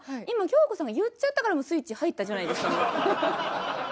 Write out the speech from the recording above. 今京子さんが言っちゃったからスイッチ入ったじゃないですか。